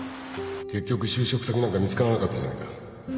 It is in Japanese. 結局就職先なんか見つからなかったじゃないか